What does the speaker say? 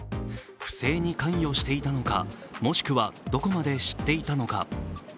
不正に関与していたのか、もしくはどこまで知っていたのか。